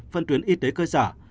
phân tuyến y tế cơ sở